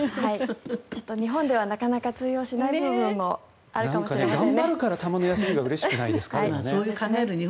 日本ではなかなか通用しない部分もあるかもしれませんね。